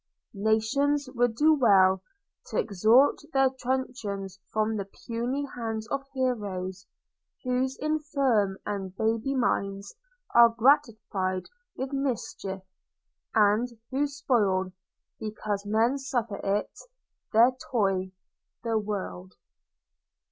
Nations would do well T'extort their truncheons from the puny hands Of heroes, whose infirm and baby minds Are gratified with mischief, and who spoil, Because men suffer it, their toy the world.